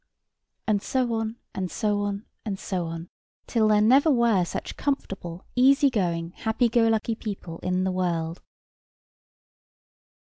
And so on, and so on, and so on, till there were never such comfortable, easy going, happy go lucky people in the world.